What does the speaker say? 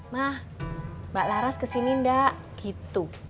ma mbak laras kesini enggak gitu